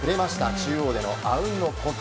中央でのあうんの呼吸。